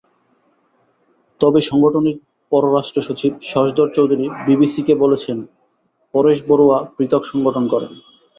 তবে সংগঠনটির পররাষ্ট্রসচিব শশধর চৌধুরী বিবিসিকে বলেছেন, পরেশ বড়ুয়া পৃথক সংগঠন করেন।